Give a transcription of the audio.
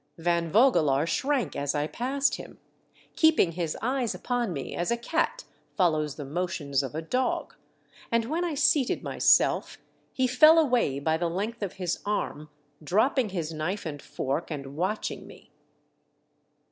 Van Vogelaar shrank as I passed him, keeping his eyes upon me as a cat follows the motions of a do^, and when I seated myself he fell 326 THE DEATH SHIP. away by the length of his arm, dropping his knife and fork and watching me.